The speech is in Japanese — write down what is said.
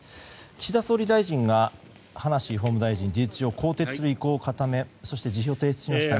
岸田総理大臣が葉梨法務大臣を事実上更迭する意向を固めそして、辞表を提出しました。